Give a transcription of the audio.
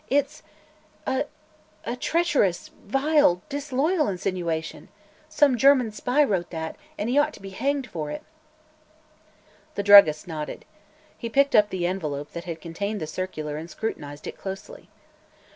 "It's a a treacherous, vile, disloyal insinuation. Some German spy wrote that, and he ought to be hanged for it!" The druggist nodded. He picked up the envelope that had contained the circular and scrutinized it closely.